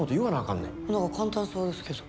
何か簡単そうですけど。